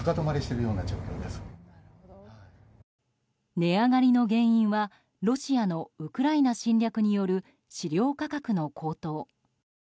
値上がりの原因はロシアのウクライナ侵略による飼料価格の高騰。